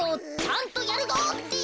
ちゃんとやるぞって。